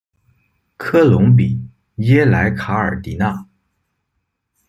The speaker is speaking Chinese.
科隆比耶莱卡尔迪纳。